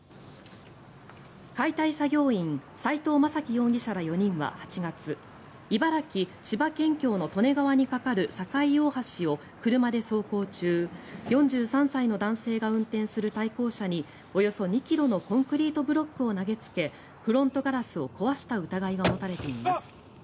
解体作業員斉藤雅樹容疑者ら４人は８月茨城・千葉県境の利根川に架かる境大橋を車で走行中４３歳の男性が運転する対向車におよそ２ｋｇのコンクリートブロックを投げつけフロントガラスを壊した疑いが持たれています。